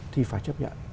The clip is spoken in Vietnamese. thì phải chấp nhận